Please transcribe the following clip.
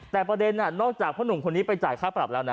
แต่ประเด็นนอกจากพ่อหนุ่มคนนี้ไปจ่ายค่าปรับแล้วนะ